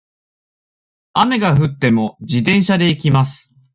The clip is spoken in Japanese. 雨が降っても、自転車で行きます。